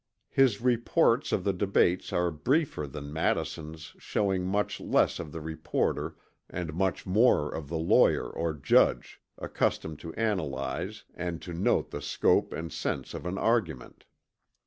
His reports of the debates are briefer than Madison's showing much less of the reporter and much more of the lawyer or judge accustomed to analyze and to note the scope and sense of an argument.